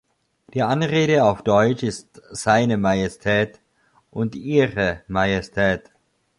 Die Anrede auf Deutsch ist "Seine Majestät" und "Ihre Majestät".